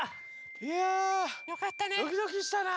いやドキドキしたな。